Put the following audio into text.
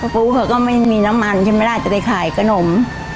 ปุ๊กก็ไม่มีน้ำมันฉันไม่ได้จะไปขายกระนม